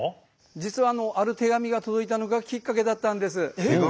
実はある手紙が届いたのがきっかけだったんです。